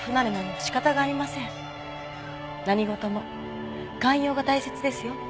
何事も寛容が大切ですよ。